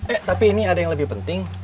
eh tapi ini ada yang lebih penting